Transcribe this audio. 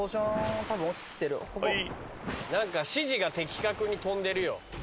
なんか指示が的確に飛んでるよ。